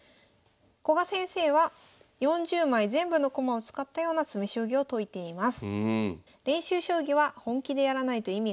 「古賀先生は４０枚全部の駒を使ったような詰将棋を解いています」。